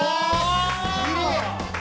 きれい！